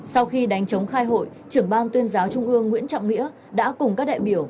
sau khi đánh chống khai hội trưởng ban tuyên giáo trung ương nguyễn trọng nghĩa đã cùng các đại biểu